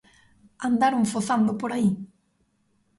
Andaron fozando por aí.